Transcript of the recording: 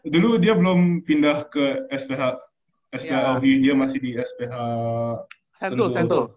dulu dia belum pindah ke sph sph alvi dia masih di sph sentul